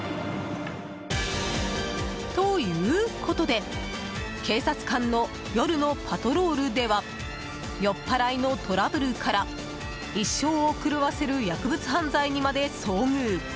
ということで警察官の夜のパトロールでは酔っ払いのトラブルから一生を狂わせる薬物犯罪にまで遭遇。